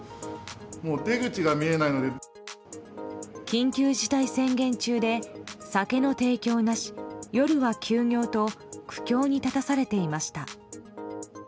緊急事態宣言中で酒の提供なし夜は休業と苦境に立たされていました。